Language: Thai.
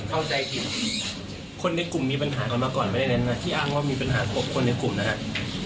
เข้าใจผิดคนในกลุ่มมีปัญหากันมาก่อนไม่ได้เน้นนะที่อ้างว่ามีปัญหากับคนในกลุ่มนะครับ